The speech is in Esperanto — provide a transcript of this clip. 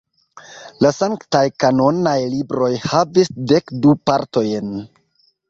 La sanktaj kanonaj libroj havis dek du partojn.